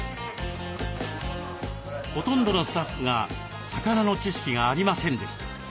ほとんどのスタッフが魚の知識がありませんでした。